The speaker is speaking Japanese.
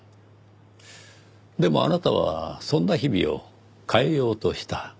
でもあなたはそんな日々を変えようとした。